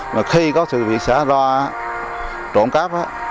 mà khi có sự việc xảy ra trộn cáp